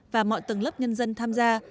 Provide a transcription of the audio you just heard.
và mọi tầng lớp nhân dân tham gia